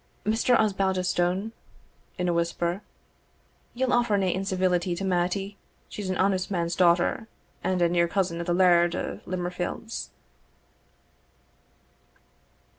Mr. Osbaldistone" in a whisper "ye'll offer nae incivility to Mattie she's an honest man's daughter, and a near cousin o' the Laird o' Limmerfield's."